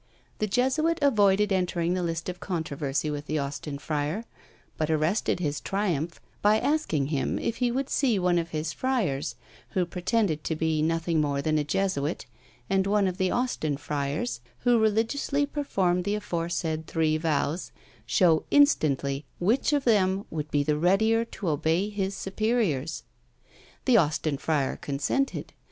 The Jesuit avoided entering the list of controversy with the Austin friar, but arrested his triumph by asking him if he would see one of his friars, who pretended to be nothing more than a Jesuit, and one of the Austin friars who religiously performed the aforesaid three vows, show instantly which of them would be the readier to obey his superiors? The Austin friar consented.